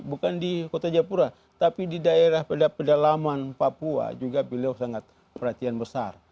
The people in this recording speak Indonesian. bukan di kota jayapura tapi di daerah pedalaman papua juga beliau sangat perhatian besar